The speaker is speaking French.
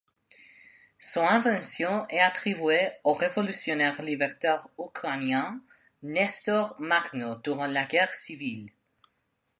Son invention est attribuée au révolutionnaire libertaire ukrainien Nestor Makhno durant la guerre civile.